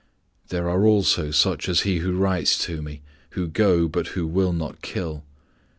There are also such as he who writes to me, who go, but who will not kill.